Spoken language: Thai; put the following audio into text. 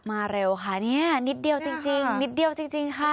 มาเร็วค่ะนี่นิดเดียวจริงค่ะ